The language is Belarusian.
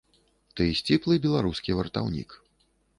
Ты сціплы беларускі вартаўнік.